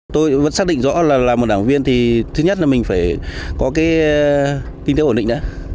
tôi vẫn xác định rõ là làm một đảng viên thì thứ nhất là mình phải có kinh tế ổn định